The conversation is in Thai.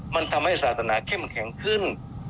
มันทำให้ศาสนาเข้มแข็งขึ้น